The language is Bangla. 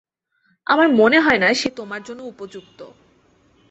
আমার মনে হয় না সে তোমার জন্য উপযুক্ত।